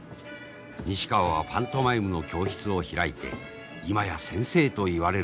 西川はパントマイムの教室を開いて今や先生と言われる身分。